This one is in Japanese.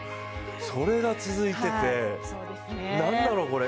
それが続いてて、何だろう、これ。